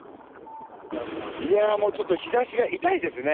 いやー、もう、ちょっと、日ざしが痛いですね。